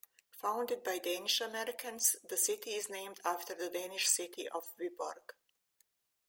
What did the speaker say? Founded by Danish-Americans, the city is named after the Danish city of Viborg.